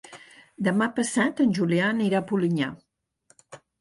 Demà passat en Julià anirà a Polinyà.